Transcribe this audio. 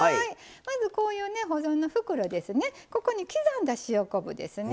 まずこういうね保存の袋ですね。